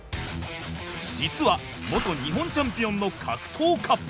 実は元日本チャンピオンの格闘家。